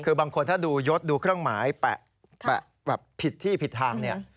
คือบางคนถ้าดูยศดูเครื่องหมายแปะแบบผิดที่ผิดทางเนี่ย